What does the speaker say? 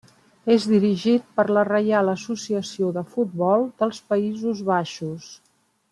És dirigit per la Reial Associació de Futbol dels Països Baixos.